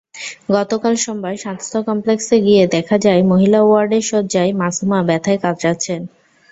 গতকাল সোমবার স্বাস্থ্য কমপ্লেক্সে গিয়ে দেখা যায়, মহিলা ওয়ার্ডের শয্যায় মাসুমা ব্যথায় কাতরাচ্ছেন।